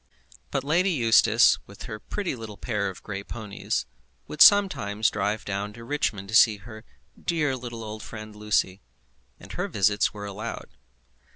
But Lady Eustace, with her pretty little pair of grey ponies, would sometimes drive down to Richmond to see her "dear little old friend" Lucy, and her visits were allowed.